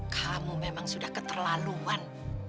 kamu memang sudah keterlaluan